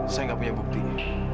saya gak punya buktinya